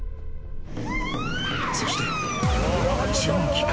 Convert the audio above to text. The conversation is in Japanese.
［そして］